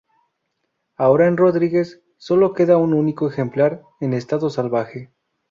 Ahora en Rodrigues sólo queda un único ejemplar en estado salvaje.